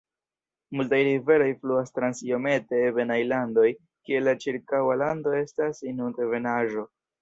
Multaj riveroj fluas trans iomete ebenaj landoj kie la ĉirkaŭa lando estas inund-ebenaĵo.